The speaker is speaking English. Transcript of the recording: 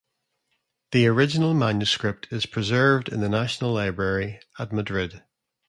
The original manuscript is preserved in the National Library at Madrid.